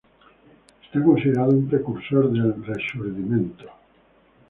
Está considerado un precursor del "Rexurdimento".